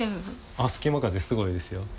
あっ隙間風すごいですよ。